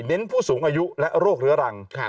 เน้นผู้สูงอายุและโรครัง